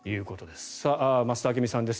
増田明美さんです。